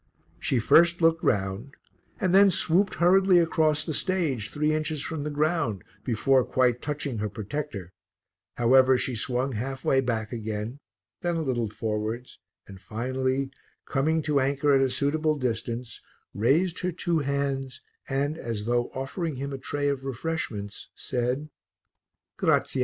She first looked round and then swooped hurriedly across the stage, three inches from the ground; before quite touching her protector, however, she swung halfway back again, then a little forwards, and finally, coming to anchor at a suitable distance, raised her two hands and, as though offering him a tray of refreshments, said "Grazie."